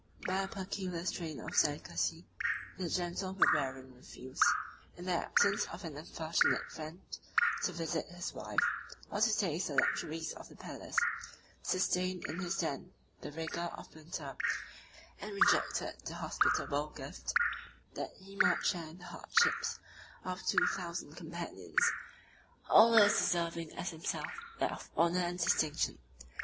By a peculiar strain of delicacy, the Gentle Barbarian refused, in the absence of an unfortunate friend, to visit his wife, or to taste the luxuries of the palace; sustained in his tent the rigor of the winter; and rejected the hospitable gift, that he might share the hardships of two thousand companions, all as deserving as himself of that honor and distinction.